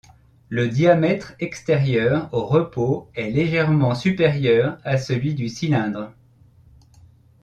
Le diamètre extérieur au repos est légèrement supérieur à celui du cylindre.